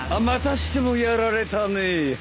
またしてもやられたねぇ。